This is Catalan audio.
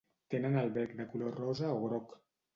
Tenen el bec de color rosa o groc.